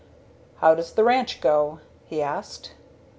"How does the ranch go?" he asked.